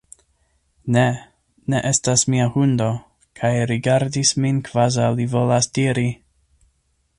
Ne! Ne estas mia hundo! kaj rigardis min kvazaŭ li volas diri